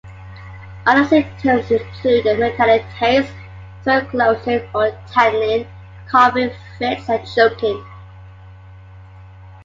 Other symptoms include a metallic taste, throat closing or tightening, coughing fits, and choking.